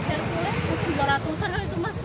rp dua ratus an lalu itu mas